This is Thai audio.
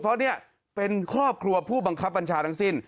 เพราะเนี่ยเป็นครอบครัวผู้บังคับบัญชาทั้งสิ้น